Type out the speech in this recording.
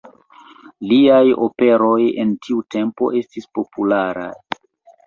Liaj operoj en tiu tempo estis popularaj.